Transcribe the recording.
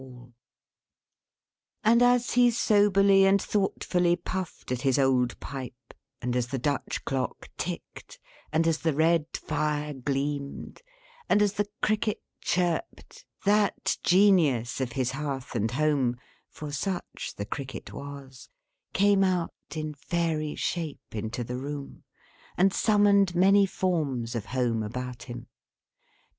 And as he soberly and thoughtfully puffed at his old pipe; and as the Dutch clock ticked; and as the red fire gleamed; and as the Cricket chirped; that Genius of his Hearth and Home (for such the Cricket was) came out, in fairy shape, into the room, and summoned many forms of Home about him.